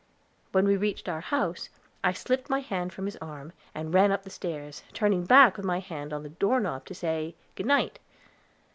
When we reached our house, I slipped my hand from his arm, and ran up the steps, turning back with my hand on the door knob to say, "Good night."